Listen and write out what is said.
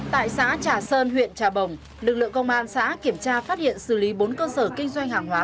tại xã trà sơn huyện trà bồng lực lượng công an xã kiểm tra phát hiện xử lý bốn cơ sở kinh doanh hàng hóa